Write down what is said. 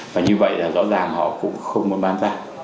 và như vậy là rõ ràng họ cũng không muốn bán ra